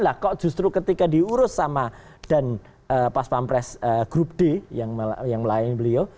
lah kok justru ketika diurus sama dan pas pampres grup d yang melayani beliau